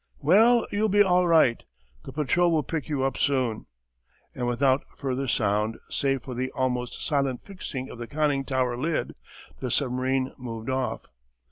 "Well, you'll be all right. The patrol will pick you up soon." And without further sound save for the almost silent fixing of the conning tower lid, the submarine moved off.